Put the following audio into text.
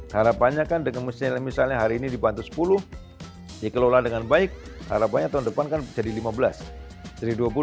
harapannya kan dengan misalnya hari ini dibantu sepuluh dikelola dengan baik harapannya tahun depan kan jadi lima belas